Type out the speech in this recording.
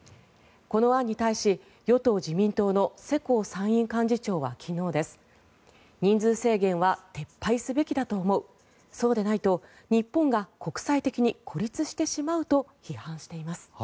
この案に対し、与党・自民党の世耕参院幹事長は昨日人数制限は撤廃すべきだと思うそうでないと日本が国際的に孤立してしまうと批判しています。